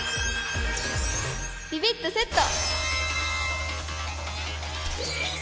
ビビッとセット！